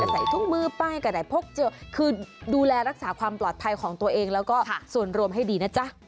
ใส่ถุงมือไปก็ได้พกเจอคือดูแลรักษาความปลอดภัยของตัวเองแล้วก็ส่วนรวมให้ดีนะจ๊ะ